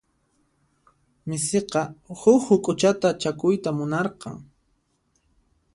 Misiqa huk huk'uchata chakuyta munarqan.